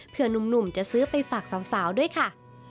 หนุ่มจะซื้อไปฝากสาวด้วยค่ะ